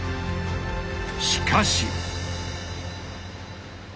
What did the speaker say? しかし！